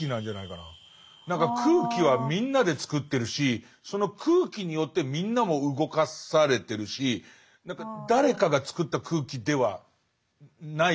何か空気はみんなで作ってるしその空気によってみんなも動かされてるし何か誰かが作った空気ではないような気がするんですよ。